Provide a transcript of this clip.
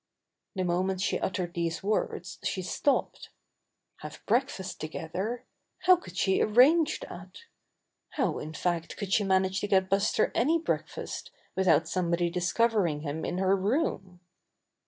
The moment she uttered these words she stopped. Have breakfast together? How could she arrange that? How, in fact, could she manage to get Buster any breakfast with out somebody discovering him in her room?